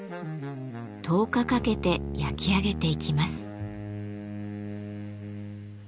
１０日かけて焼き上げていきます。